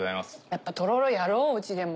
やっぱとろろやろううちでも。